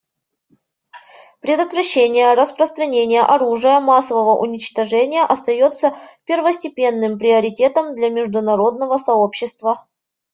Предотвращение распространения оружия массового уничтожения остается первостепенным приоритетом для международного сообщества.